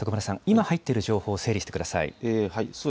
今、入っている情報を整理してください。